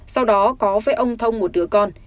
sau đó có với ông thông một đứa con